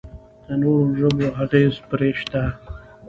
د نورو ژبو اغېز پرې شته.